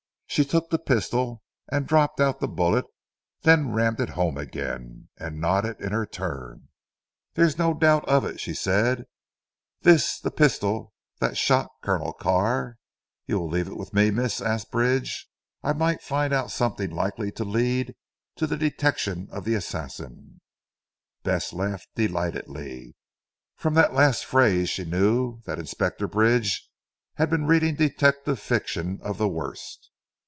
She took the pistol and dropped out the bullet; then rammed it home again, and nodded in her turn. "There is no doubt of it," she said, "this the pistol that shot Colonel Carr." "Will you leave it with me Miss?" asked Bridge, "I might find out something likely to lead to the detection of the assassin." Bess laughed delightedly. From that last phrase she knew that Inspector Bridge had been reading detective fiction of the worst.